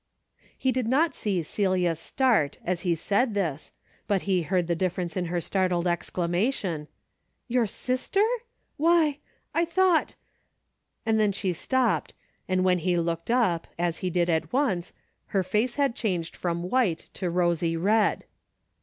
He did not see Celia start, as he said this, but he heard the difference in her startled ex clamation, "Your sister? Why! I thought!" — and then she stopped, and when he looked up, as he did at once, her face had changed from white to rosy red.